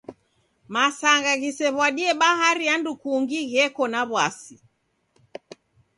Masanga ghisew'adie bahari andu kungi gheko na w'asi.